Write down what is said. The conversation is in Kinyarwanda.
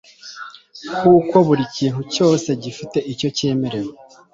kuko buri kintu cyose gifite icyo cyaremewe